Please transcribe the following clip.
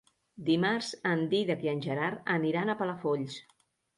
Dimarts en Dídac i en Gerard aniran a Palafolls.